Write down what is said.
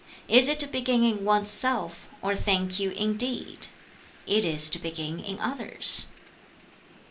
Is it to begin in one's self, or think you, indeed! it is to begin in others?"